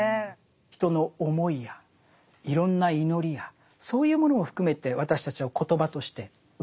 人の思いやいろんな祈りやそういうものを含めて私たちは言葉として受けている。